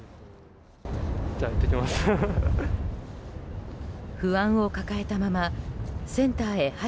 じゃあ、いってきます。